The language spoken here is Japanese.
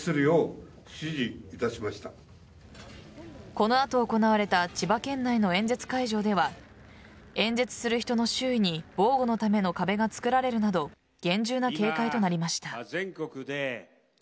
この後行われた千葉県内の演説会場では演説する人の周囲に防護のための壁が作られるなど厳重な警戒となりました。